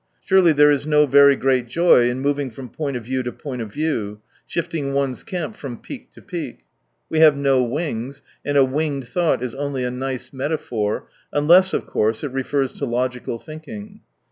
Surely there is no very great joy in moving from point of view to point of view, shifting one's camp from peak to peak. We have no wings, and " a winged thought" is only a nice metaphor — unless, of course, it refers to logical thinking.